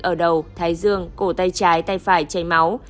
ở đầu thái dương cổ tay trái tay phải chảy máu